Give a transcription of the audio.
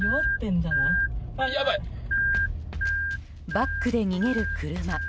バックで逃げる車。